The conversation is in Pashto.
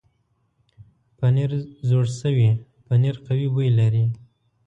پنېر زوړ شوی پنېر قوي بوی لري.